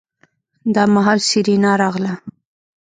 دا مهال سېرېنا راغله.